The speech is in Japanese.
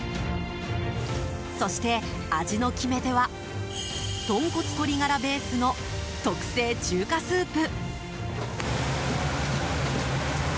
そして、味の決め手はとんこつ鶏がらベースの特製中華スープ！